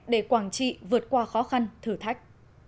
để quảng trị vượt qua khó khăn thử thách